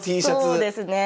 そうですね。